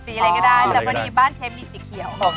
สีอะไรก็ได้แต่วันนี้บ้านเชมอีกสิเขียว